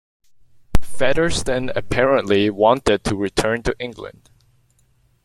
Featherston apparently wanted to return to England.